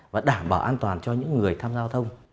và đảm bảo an toàn cho những người tham gia giao thông